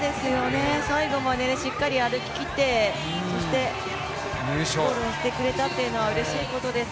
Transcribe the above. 最後までしっかり歩ききって、ゴールをしてくれたというのはうれしいことです。